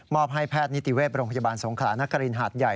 อบให้แพทย์นิติเวศโรงพยาบาลสงขลานครินหาดใหญ่